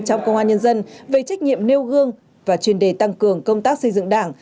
trong công an nhân dân về trách nhiệm nêu gương và chuyên đề tăng cường công tác xây dựng đảng